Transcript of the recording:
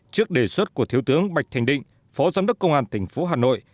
trước đề xuất của thiếu tướng bạch thành định phó giám đốc công an tỉnh phố hà nội